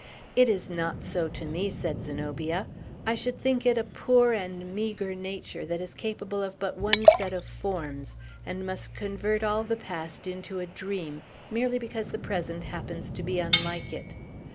"It is not so to me," said Zenobia. "I should think it a poor and meagre nature that is capable of but one set of forms, and must convert all the past into a dream merely because the present happens to be unlike it.